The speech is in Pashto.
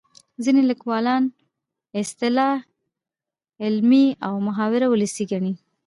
ځینې لیکوالان اصطلاح علمي او محاوره ولسي ګڼي